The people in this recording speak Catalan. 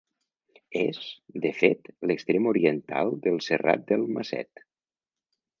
És, de fet, l'extrem oriental del Serrat del Maset.